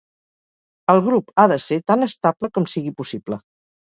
El grup ha de ser tant estable com sigui possible.